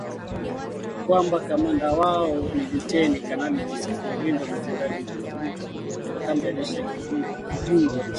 Kwamba kamanda wao ni Luteni kanali Joseph Rurindo na Jenerali Eugene Nkubito, kutoka kambi ya kijeshi ya Kibungo nchini Rwanda